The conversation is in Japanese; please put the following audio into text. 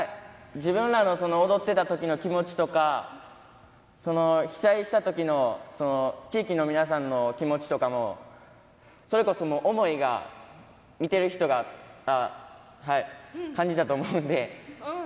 自分らの踊ってたときの気持ちとか、被災したときの地域の皆さんの気持ちとかも、それこそ想いが、見ている人が感じたと思うんで。